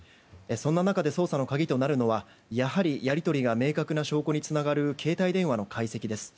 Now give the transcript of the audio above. そんな中で捜査の鍵となるのはやり取りが明確な証拠につながる携帯電話の解析です。